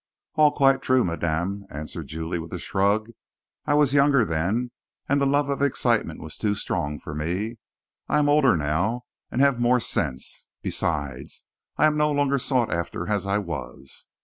"All quite true, madame," answered Julie, with a shrug. "I was younger then and the love of excitement was too strong for me. I am older now, and have more sense besides, I am no longer sought after as I was."